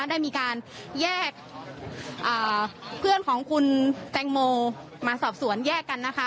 ได้มีการแยกเพื่อนของคุณแตงโมมาสอบสวนแยกกันนะคะ